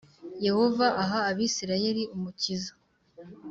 Yehova aha Abisirayeli umukiza